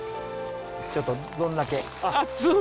ちょっとどんだけ熱っ。